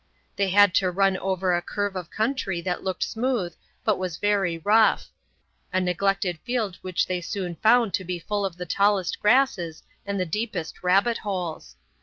They had to run over a curve of country that looked smooth but was very rough; a neglected field which they soon found to be full of the tallest grasses and the deepest rabbit holes.